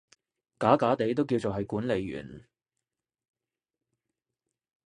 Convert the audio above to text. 假假地都叫做係管理員